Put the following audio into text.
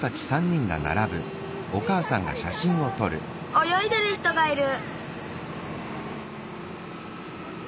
およいでる人がいる。